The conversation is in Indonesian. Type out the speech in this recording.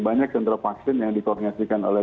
banyak sentra vaksin yang dikoordinasikan oleh